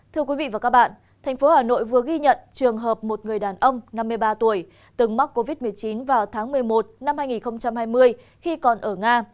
thưa quý vị và các bạn thành phố hà nội vừa ghi nhận trường hợp một người đàn ông năm mươi ba tuổi từng mắc covid một mươi chín vào tháng một mươi một năm hai nghìn hai mươi khi còn ở nga